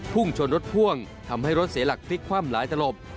พุ่งชนรถพ่วงทำให้รถเสียหลักพลิกคว่ำหลายตลบ